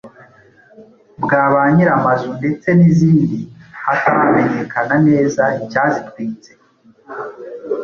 bwa ba nyir’amazu ndetse n’izindi hataramenyekana neza icyazitwitse.